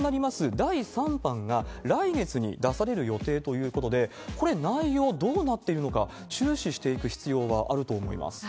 第３版が来月に出される予定ということで、これ、内容どうなっているのか、注視していく必要はあると思います。